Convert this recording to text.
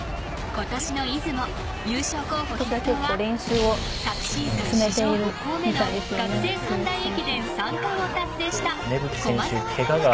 今年の出雲、優勝候補筆頭は昨シーズン史上５校目の学生三大駅伝三冠を達成した駒澤大学。